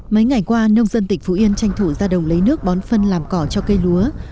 mấy ngày qua nông dân tỉnh phú yên tranh thủ ra đồng lấy nước bón phân làm cỏ cho cây lúa